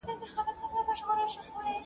امن راغلی ډوډۍ دي نه وي !.